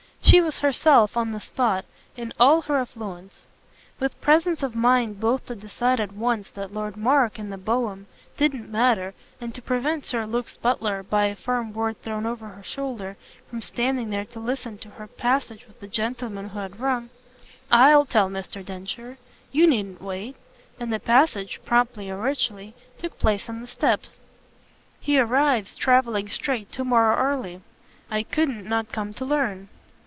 She was herself, on the spot, in all her affluence; with presence of mind both to decide at once that Lord Mark, in the brougham, didn't matter and to prevent Sir Luke's butler, by a firm word thrown over her shoulder, from standing there to listen to her passage with the gentleman who had rung. "I'LL tell Mr. Densher; you needn't wait!" And the passage, promptly and richly, took place on the steps. "He arrives, travelling straight, to morrow early. I couldn't not come to learn."